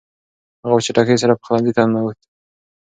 هغه په چټکۍ سره پخلنځي ته ننووت.